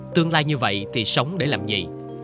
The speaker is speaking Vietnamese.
tương lai như vậy thì sống để làm gì